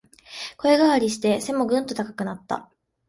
声変わりして背もぐんと高くなった